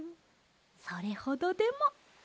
それほどでも。